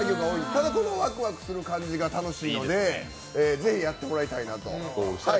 ただワクワクする感じが楽しいのでぜひ、やってもらいたいなと。